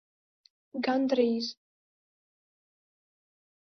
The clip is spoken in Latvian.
Gandrīz.